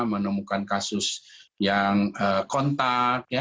menemukan kasus yang kontak